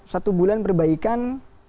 satu bulan perbaikan